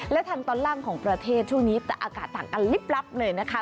และทางตอนล่างของประเทศช่วงนี้แต่อากาศต่างกันลิบลับเลยนะคะ